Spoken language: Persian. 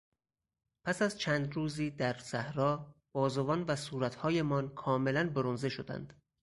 پس از چند روزی در صحرا بازوان و صورتهایمان کاملا برنزه شدند.